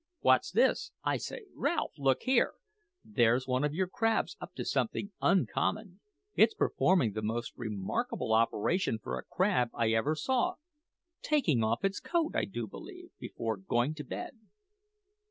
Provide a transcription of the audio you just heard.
what's this? I say, Ralph, look here! There's one o' your crabs up to something uncommon. It's performing the most remarkable operation for a crab I ever saw taking off its coat, I do believe, before going to bed!"